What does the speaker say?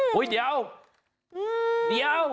เฮ้ยเดี๋ยวเดี๋ยว